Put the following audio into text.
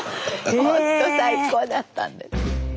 ほんと最高だったんです。